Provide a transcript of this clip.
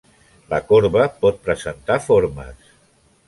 La corba pot presentar formes.